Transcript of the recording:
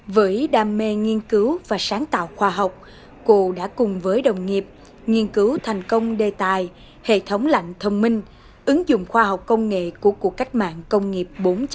với đam mê nghiên cứu và sáng tạo khoa học cụ đã cùng với đồng nghiệp nghiên cứu thành công đề tài hệ thống lạnh thông minh ứng dụng khoa học công nghệ của cuộc cách mạng công nghiệp bốn